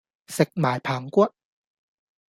食埋棚骨